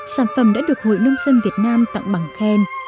sản phẩm đã được hội nông dân việt nam tặng bằng khen